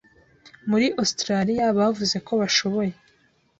muri Australia bavuze ko bashoboye